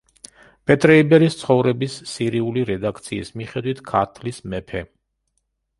პეტრე იბერის ცხოვრების სირიული რედაქციის მიხედვით, ქართლის მეფე.